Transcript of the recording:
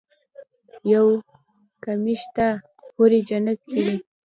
يو کمی شته حورې جنت کې وي.